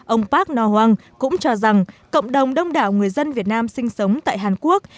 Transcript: ông park no hwang cũng cho rằng cộng đồng đông đảo người dân việt nam sinh sống tại hàn quốc